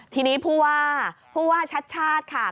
ทีนี้ผู้ว่าผู้ว่าชัดชาติค่ะ